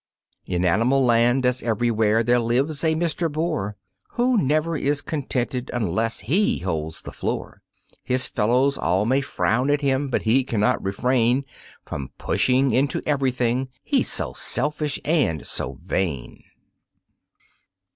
In animal land, as everywhere, there lives a Mr. Boar Who never is contented unless he holds the floor; His fellows all may frown at him but he cannot refrain From pushing into everything he's so selfish and so vain.